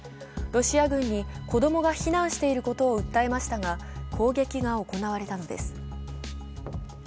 ロシア軍に子供が非難していることを訴えましたが、攻撃が行われているんです。